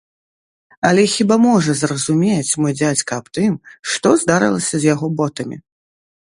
Але хіба можа зразумець мой дзядзька аб тым, што здарылася з яго ботамі?